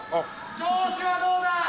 調子はどうだ？